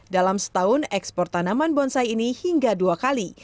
dalam setahun ekspor tanaman bonsai ini hingga dua kali